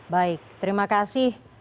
baik terima kasih